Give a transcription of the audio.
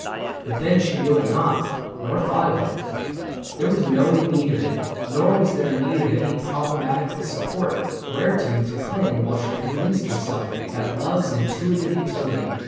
But then she knew it not, nor thought of it ; There was no need of it ; nor was there need Of any problematical support Whereto to cling while she convinced herself That love's intuitive utility.